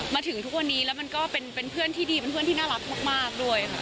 มาถึงทุกวันนี้แล้วมันก็เป็นเพื่อนที่ดีเป็นเพื่อนที่น่ารักมากด้วยค่ะ